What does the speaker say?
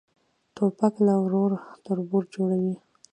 توپک له ورور تربور جوړوي.